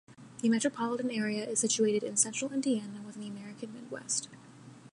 The metropolitan area is situated in Central Indiana, within the American Midwest.